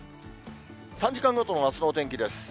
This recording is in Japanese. ３時間ごとのあすのお天気です。